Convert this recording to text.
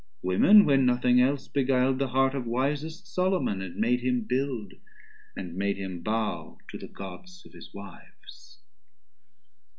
Women, when nothing else, beguil'd the heart Of wisest Solomon, and made him build, 170 And made him bow to the Gods of his Wives.